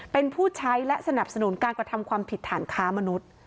เป็นผู้ใช้และสนับสนุนการกระทำความผิดฐานค้ามนุษย์